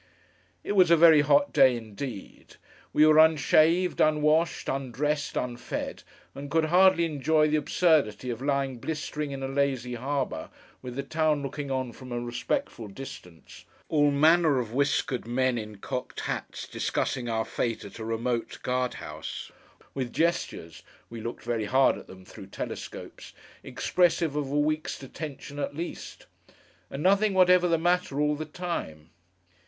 It was a very hot day indeed. We were unshaved, unwashed, undressed, unfed, and could hardly enjoy the absurdity of lying blistering in a lazy harbour, with the town looking on from a respectful distance, all manner of whiskered men in cocked hats discussing our fate at a remote guard house, with gestures (we looked very hard at them through telescopes) expressive of a week's detention at least: and nothing whatever the matter all the time.